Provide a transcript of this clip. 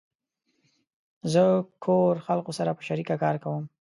زه کور خلقو سره په شریکه کار کوم